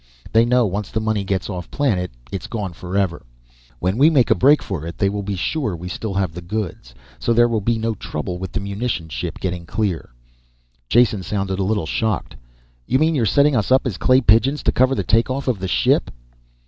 They know once the money gets off planet it is gone forever. When we make a break for it they will be sure we still have the goods. So there will be no trouble with the munition ship getting clear." Jason sounded a little shocked. "You mean you're setting us up as clay pigeons to cover the take off of the ship."